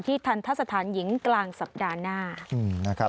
ที่ทัศนหญิงกลางสัปดาห์หน้า